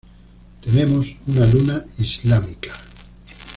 Tenemos una luna islámica.